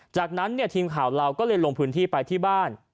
จากนั้นทีมข่าวเราก็เลยลงพื้นที่ไปที่บ้าน